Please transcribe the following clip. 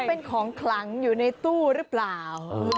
เป็นของขลังอยู่ในตู้หรือเปล่า